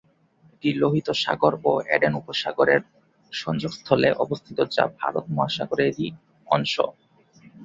এটি লোহিত সাগর ও এডেন উপসাগর এর সংযোগস্থলে অবস্থিত যা ভারত মহাসাগর-এর ই অংশ।